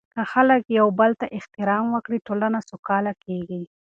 که خلک یو بل ته احترام ورکړي، ټولنه سوکاله کیږي.